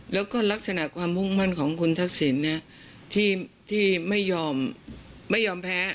แล้วก็ลักษณะความมุ่งมั่นของคุณทักษิณที่ไม่ยอมไม่ยอมแพ้